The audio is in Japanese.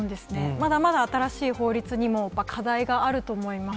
まだまだ新しい法律にも、課題があると思います。